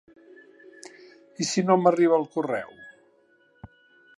I si no m’arriba el correu?